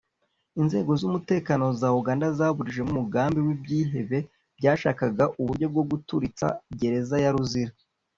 Inzego z’umutekano za Uganda zaburijemo umugambi w’ibyihebe byashakaga uburyo bwo guturitsa Gereza ya Luzira